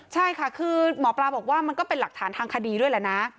ใช่ค่ะคือหมอปลาบอกว่ามันก็เป็นหลักฐานทางคดีด้วยแหละนะ